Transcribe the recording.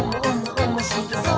おもしろそう！」